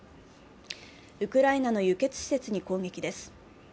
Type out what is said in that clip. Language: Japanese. ウクライナの輸血施設に攻撃です。